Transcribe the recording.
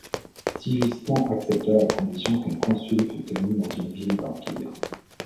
Sigismond accepta à condition qu'un concile fût tenu dans une ville d'Empire.